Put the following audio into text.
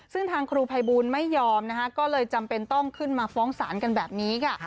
ซึ่งทางครูภัยบูลไม่ยอมนะคะก็เลยจำเป็นต้องขึ้นมาฟ้องศาลกันแบบนี้ค่ะ